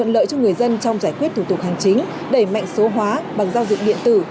lợi cho người dân trong giải quyết thủ tục hành chính đẩy mạnh số hóa bằng giao dịch điện tử